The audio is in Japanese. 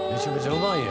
うまい！